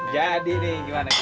jadi nih gimana gimana oke gak